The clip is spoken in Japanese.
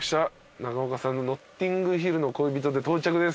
中岡さんの『ノッティングヒルの恋人』で到着です。